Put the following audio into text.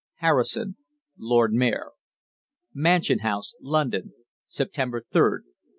= HARRISON, Lord Mayor. MANSION HOUSE, LONDON, September 3rd, 1910.